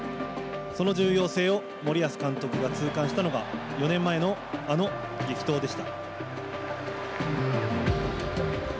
その重要性を森保監督が痛感したのが４年前のあの激闘でした。